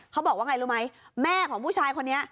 เขาบอกว่าไงรู้ไหมแม่ของผู้ชายคนนี้